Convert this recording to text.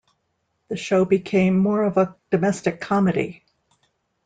The show became more of a domestic comedy.